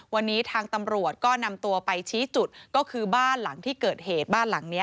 วันนี้ทางตำรวจก็นำตัวไปชี้จุดก็คือบ้านหลังที่เกิดเหตุบ้านหลังนี้